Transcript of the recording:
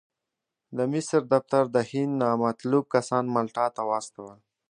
د مصر دفتر د هند نامطلوب کسان مالټا ته واستول.